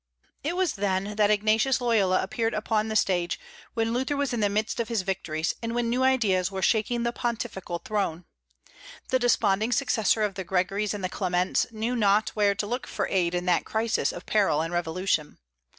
It was then that Ignatius Loyola appeared upon the stage, when Luther was in the midst of his victories, and when new ideas were shaking the pontifical throne. The desponding successor of the Gregorys and the Clements knew not where to look for aid in that crisis of peril and revolution.